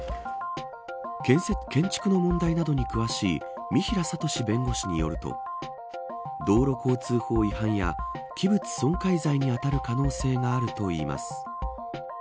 建築の問題などに詳しい三平聡史弁護士によると道路交通法違反や器物損壊罪に当たる可能性があるといいます。